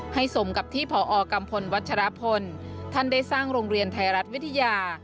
สมกับที่พอกัมพลวัชรพลท่านได้สร้างโรงเรียนไทยรัฐวิทยา